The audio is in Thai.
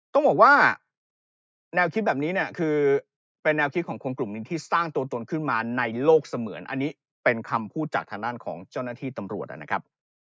ต้องบอกว่าแนวคิดแบบนี้เนี่ยคือเป็นแนวคิดของคนกลุ่มหนึ่งที่สร้างตัวตนขึ้นมาในโลกเสมือนอันนี้เป็นคำพูดจากทางด้านของเจ้าหน้าที่ตำรวจนะครับ